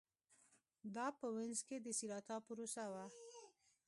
دا په وینز کې د سېراتا پروسه وه